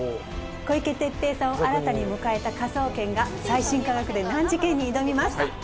小池徹平さんを新たに迎えた科捜研が最新科学で難事件に挑みます！